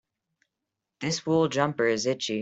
This wool jumper is itchy.